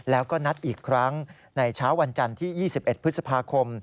แล้วก็นัดอีกครั้งในเช้าวันจันทร์ที่๒๑พฤษภาคม